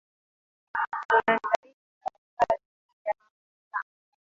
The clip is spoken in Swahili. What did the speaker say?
kunasababishwa na vifaa vikuu vya mafuta